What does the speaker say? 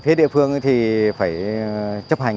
về phía địa phương thì phải chấp hành